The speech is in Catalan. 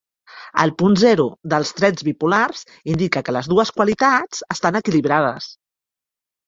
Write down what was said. El punt zero dels trets bipolars indica que les dues qualitats estan equilibrades.